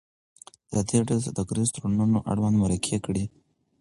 ازادي راډیو د سوداګریز تړونونه اړوند مرکې کړي.